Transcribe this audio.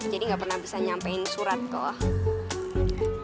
jadi gak pernah bisa nyampein surat kok